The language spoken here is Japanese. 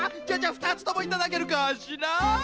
じゃあじゃあ２つともいただけるかしら？